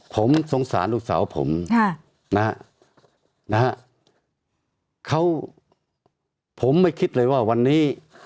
ผมสงสารลูกสาวผมนะฮะเขาผมไม่คิดเลยว่าวันนี้